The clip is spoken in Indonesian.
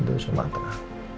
iya dari sumatera